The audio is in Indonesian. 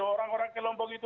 orang orang kelompok itu